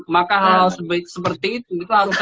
maka hal hal seperti itu itu harus